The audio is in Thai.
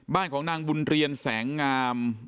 บ้านของนางบุญเรียนแสงงาม